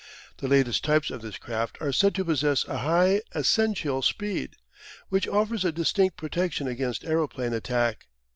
The latest types of this craft are said to possess a high ascensional speed, which offers a distinct protection against aeroplane attack.